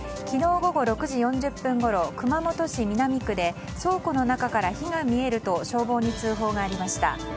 昨日午後６時４０分ごろ熊本市南区で倉庫の中から火が見えると消防に通報がありました。